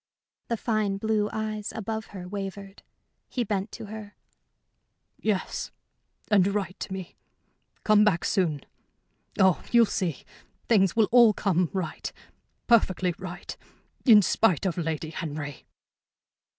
The fine blue eyes above her wavered. He bent to her. "Yes. And write to me. Come back soon. Oh, you'll see. Things will all come right, perfectly right, in spite of Lady Henry."